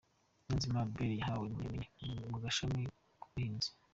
Niyonzima Albert: yahawe impamyabumenyi mu gashami k'Ubuhinzi.